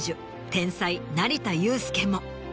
天才成田悠輔も。